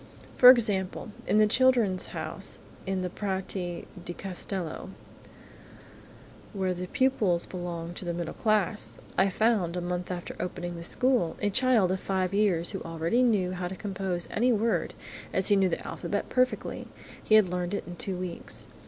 For example, in the "Children's House" in the Prati di Castello, where the pupils belong to the middle class, I found, a month after the opening of the school, a child of five years who already knew how to compose any word, as he knew the alphabet perfectly–he had learned it in two weeks.